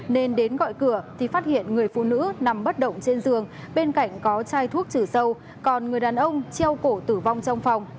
nên đến gọi cửa thì phát hiện người phụ nữ nằm bất động trên giường bên cạnh có chai thuốc trừ sâu còn người đàn ông treo cổ tử vong trong phòng